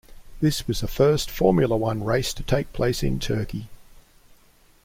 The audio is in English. This was the first Formula One race to take place in Turkey.